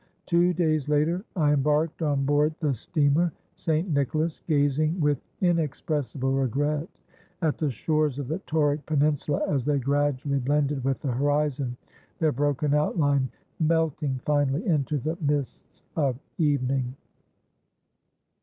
Two days later I embarked on board the steamer St. Nicholas, gazing with inexpressible regret at the shores of the Tauric peninsula as they gradually blended with the horizon, their broken outline melting finally into the mists of evening."